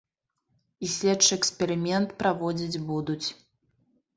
І следчы эксперымент праводзіць будуць.